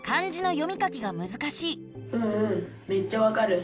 うんうんめっちゃわかる。